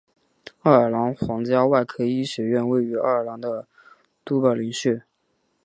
爱尔兰皇家外科医学院位于爱尔兰的都柏林市。